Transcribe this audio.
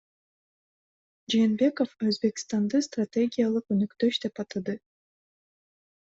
Жээнбеков Өзбекстанды стратегиялык өнөктөш деп атады